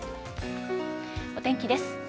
お天気です。